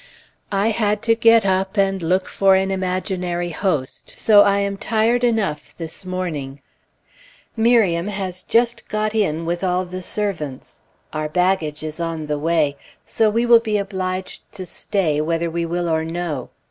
I had to get up and look for an imaginary host, so I am tired enough this morning. Miriam has just got in with all the servants, our baggage is on the way, so we will be obliged to stay whether we will or no.